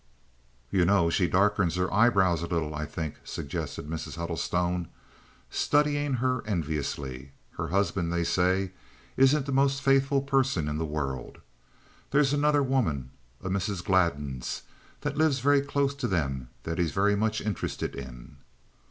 "You know, she darkens her eyebrows a little, I think," suggested Mrs. Huddlestone, studying her enviously. "Her husband, they say, isn't the most faithful person in the world. There's another woman, a Mrs. Gladdens, that lives very close to them that he's very much interested in."